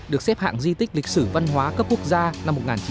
được xếp hạng di tích lịch sử văn hóa cấp quốc gia năm một nghìn chín trăm bảy mươi